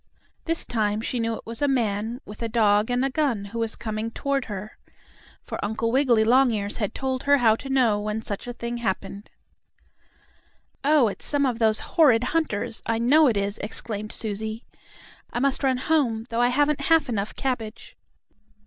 This time she knew it was a man with a dog and a gun who was coming toward her. For Uncle Wiggily Longears had told her how to know when such a thing happened. "Oh, it's some of those horrid hunters; I know it is!" exclaimed Susie. "I must run home, though I haven't half enough cabbage."